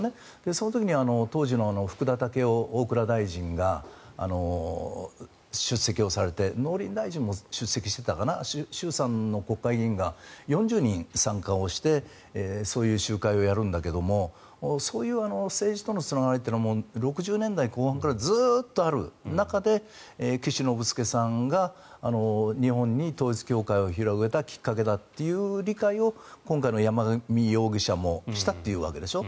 その時に当時の福田赳夫大蔵大臣が出席されて農林大臣も出席していたかな衆参の国会議員が４０人参加してそういう集会をやるんだけどそういう政治とのつながりっていうのは６０年代後半からずっとある中で岸信介さんが日本に統一教会を広げたきっかけだという理解を今回の山上容疑者もしたっていうわけでしょ。